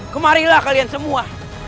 kemarilah kalian semua